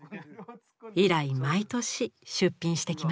以来毎年出品してきました。